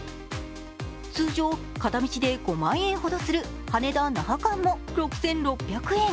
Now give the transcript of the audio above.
通常、片道で５万円ほどする羽田−那覇間も６６００円。